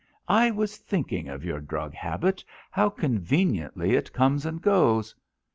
"I was thinking of your drug habit—how conveniently it comes and goes."